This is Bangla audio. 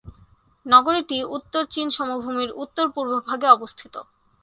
নগরীটি উত্তর চীন সমভূমির উত্তর-পূর্বভাগে অবস্থিত।